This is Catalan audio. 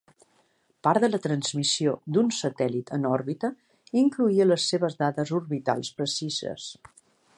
Part de la transmissió d'un satèl·lit en òrbita incloïa les seves dades orbitals precises.